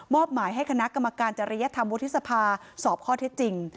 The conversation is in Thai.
หมายให้คณะกรรมการจริยธรรมวุฒิสภาสอบข้อเท็จจริง